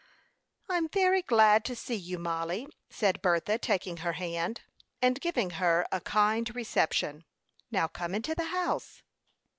"I'm very glad to see you, Mollie," said Bertha, taking her hand, and giving her a kind reception. "Now, come into the house."